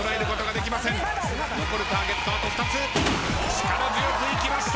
力強くいきました